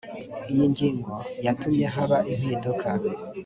iyi ngingo yatumye haba impinduka